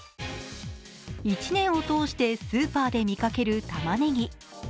１年を通してスーパーで見かけるたまねぎ。